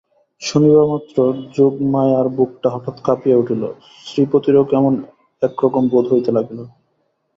শুনিবামাত্র যোগমায়ার বুকটা হঠাৎ কাঁপিয়া উঠিল, শ্রীপতিরও কেমন একরকম বোধ হইতে লাগিল।